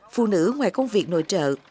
phụ nữ ngoài công việc nội trợ